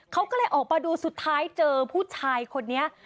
เขาก็เลยออกมาดูสุดท้ายเจอผู้ชายคนนี้